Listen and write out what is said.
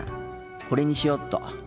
これにしよっと。